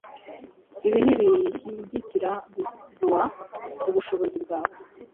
Ibi ntibihyigikira gua ubuhobozi bwawe